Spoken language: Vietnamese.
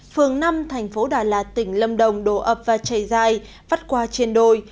phường năm tp đà lạt tỉnh lâm đồng đổ ập và chảy dài vắt qua trên đồi